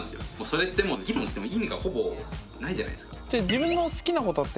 それってもう議論しても意味がほぼないじゃないですか。